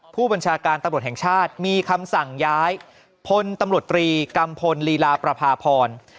ผู้บัญชาการตำรวจแห่งชาติมีคำสั่งย้ายพลตำรวจตรีกัมพลลีลาประพาพร